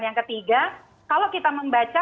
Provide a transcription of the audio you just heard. yang ketiga kalau kita membaca